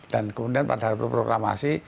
dan kemudian pada waktu programasi